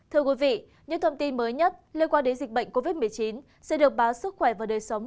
thưa quý vị những thông tin mới nhất liên quan đến dịch bệnh covid một mươi chín sẽ được báo sức khỏe và đời sống